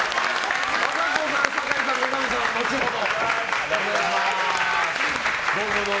和歌子さん、酒井さん後上さんは後ほど。